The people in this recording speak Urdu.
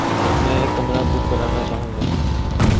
میں ایک کمرہ بک کرانا چاحو گا